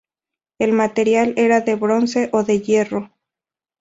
El material era de bronce o de hierro.